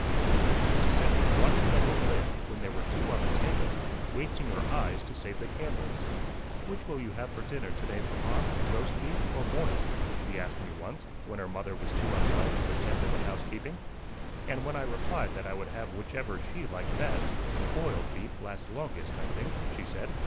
She would choose to sit with one candle lit when there were two on the table, wasting her eyes to save the candles. "Which will you have for dinner to day, papa, roast beef or boiled?" she asked me once, when her mother was too unwell to attend to the housekeeping. And when I replied that I would have whichever she liked best "The boiled beef lasts longest, I think," she said.